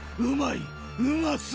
うまい！